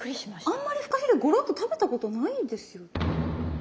あんまりフカヒレゴロッと食べたことないですよ。